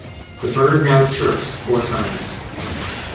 The bird now chirps four times.